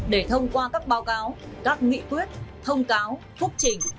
để thông qua các báo cáo các nghị quyết thông cáo phúc trình